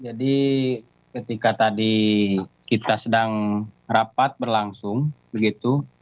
jadi ketika tadi kita sedang rapat berlangsung begitu